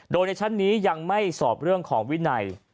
โดยในชั้นนี้ยังไม่สอบเรื่องของวินัย